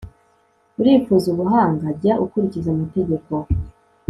urifuza ubuhanga? jya ukurikiza amategeko